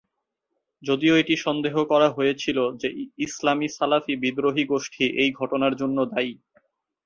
যদিও এটি সন্দেহ করা হয়েছিল যে ইসলামী সালাফি বিদ্রোহী গোষ্ঠী এই ঘটনার জন্য দায়ী।